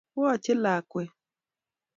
Woche lakwet